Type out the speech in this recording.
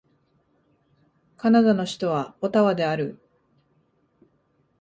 カナダの首都はオタワである